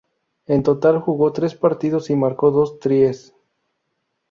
En total jugó tres partidos y marcó dos tries.